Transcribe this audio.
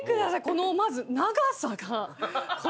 このまず長さが。